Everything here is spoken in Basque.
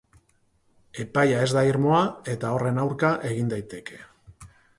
Epaia ez da irmoa, eta horren aurka egin daiteke.